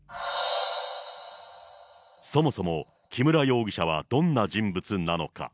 そもそも、木村容疑者はどんな人物なのか。